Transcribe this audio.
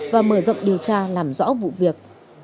và mở rộng điều tra làm rõ vụ việc